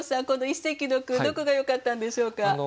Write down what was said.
この一席の句どこがよかったんでしょうか？